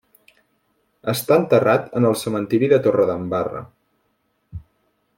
Està enterrat en el cementiri de Torredembarra.